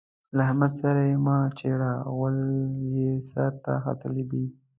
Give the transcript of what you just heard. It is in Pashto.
له احمد سره يې مه چېړه؛ غول يې سر ته ختلي دي.